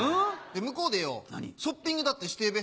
向こうでよショッピングだってしてぇべ。